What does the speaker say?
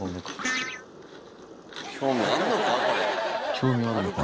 興味あんのか？